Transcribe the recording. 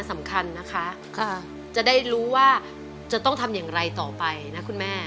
สำคัญนะคะจะได้รู้ว่าจะต้องทำอย่างไรต่อไปนะคุณแม่